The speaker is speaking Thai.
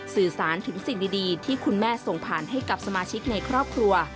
สื่อสารถึงสิ่งดีที่คุณแม่ส่งผ่านให้กับสมาชิกในครอบครัว